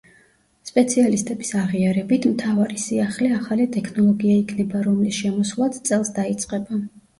სპეციალისტების აღიარებით, მთავარი სიახლე ახალი ტექნოლოგია იქნება, რომლის შემოსვლაც წელს დაიწყება.